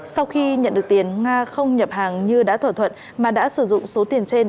sau khi nhận được tiền nga không nhập hàng như đã thỏa thuận mà đã sử dụng số tiền trên